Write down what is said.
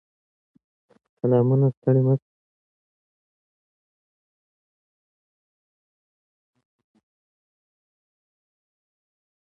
ماري کوري د نوې ماده د اغېزو پایله ثبت کړه.